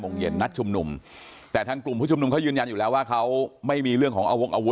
โมงเย็นนัดชุมนุมแต่ทางกลุ่มผู้ชุมนุมเขายืนยันอยู่แล้วว่าเขาไม่มีเรื่องของเอาวงอาวุ